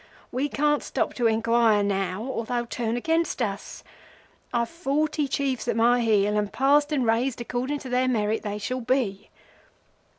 We can't stop to inquire now, or they'll turn against us. I've forty Chiefs at my heel, and passed and raised according to their merit they shall be.